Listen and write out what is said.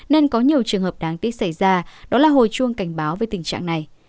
nên có nhiều trường hợp đáng tiếc xảy ra đó là hồi chuông cảnh báo về tình trạng này